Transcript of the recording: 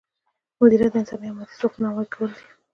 مدیریت د انساني او مادي ځواکونو همغږي کول دي.